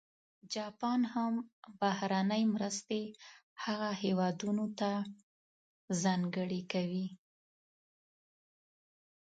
جاپان هم بهرنۍ مرستې هغه هېوادونه ته ځانګړې کوي.